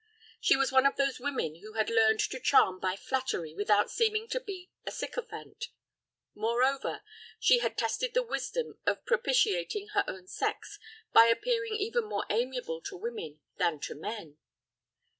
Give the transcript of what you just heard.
She was one of those women who had learned to charm by flattery without seeming to be a sycophant; moreover, she had tested the wisdom of propitiating her own sex by appearing even more amiable to women than to men.